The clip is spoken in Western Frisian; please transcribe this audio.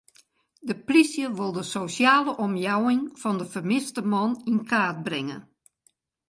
De plysje wol de sosjale omjouwing fan de fermiste man yn kaart bringe.